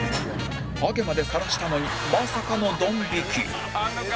ハゲまでさらしたのにまさかのドン引き